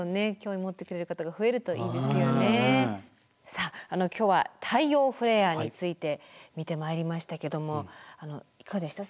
さあ今日は太陽フレアについて見てまいりましたけどもいかがでした？